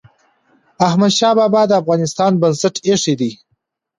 احمد شاه بابا د افغانستان بنسټ ايښی دی.